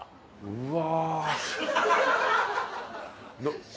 うわ。